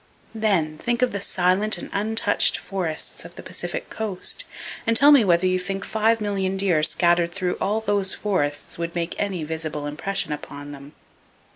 Then, think of the silent and untouched forests of the Pacific Coast and tell me whether you think five million deer scattered through all those forests would make any visible impression upon them.